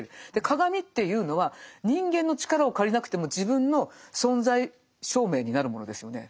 鏡っていうのは人間の力を借りなくても自分の存在証明になるものですよね。